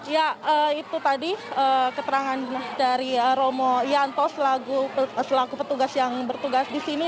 ya itu tadi keterangan dari romo yanto selaku petugas yang bertugas di sini